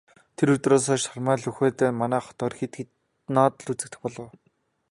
Тэр өдрөөс хойш Сармай Лхүндэв манай хотоор хэд хоноод л үзэгдэх боллоо.